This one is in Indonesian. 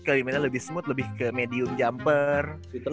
kayak gimana lebih smooth lebih ke medium jumper